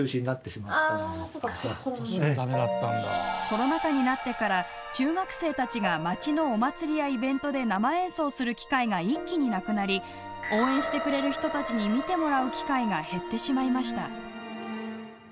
コロナ禍になってから中学生たちが、町のお祭りやイベントで、生演奏する機会が一気になくなり応援してくれる人たちに見てもらう機会が減ってしまいました。